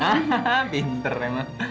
hahaha pinter emang